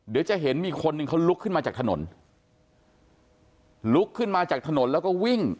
เดี๋ยวจะเห็นมีคนหนึ่งเขาลุกขึ้นมาจากถนนลุกขึ้นมาจากถนนแล้วก็วิ่ง